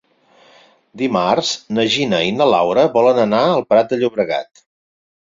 Dimarts na Gina i na Laura volen anar al Prat de Llobregat.